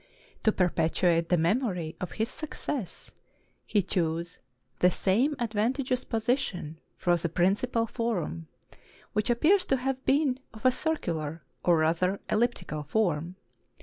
To perpetuate the memory of his success, he chose the same advantageous position for the princi pal forum; which appears to have been of a circular, or rather, elliptical form.